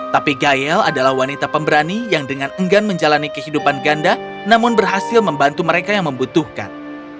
tapi gayel adalah wanita pemberani yang dengan enggan menjalani kehidupan ganda namun berhasil membantu mereka yang membutuhkan